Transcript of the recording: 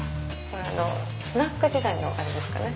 スナック自体のあれですかね。